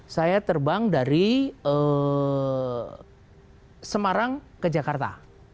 saya terbang dari semarang ke jakarta